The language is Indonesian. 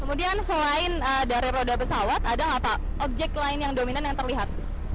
kemudian selain dari roda pesawat ada nggak pak objek lain yang dominan yang terlihat